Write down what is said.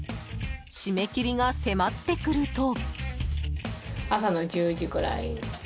締め切りが迫ってくると。